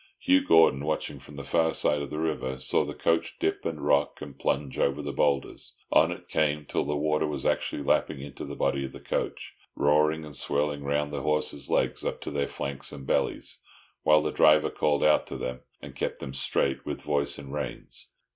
Hugh Gordon, watching from the far side of the river, saw the coach dip and rock and plunge over the boulders. On it came till the water was actually lapping into the body of the coach, roaring and swirling round the horses' legs, up to their flanks and bellies, while the driver called out to them and kept them straight with voice and reins.